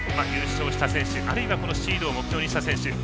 優勝した選手あるいはシードを目標にした選手